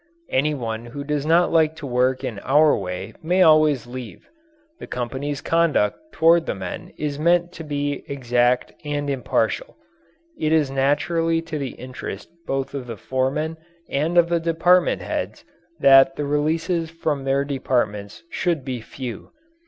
Any one who does not like to work in our way may always leave. The company's conduct toward the men is meant to be exact and impartial. It is naturally to the interest both of the foremen and of the department heads that the releases from their departments should be few.